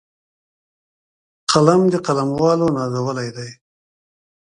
قلم د قلموالو نازولی دی